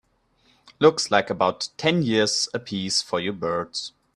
Looks like about ten years a piece for you birds.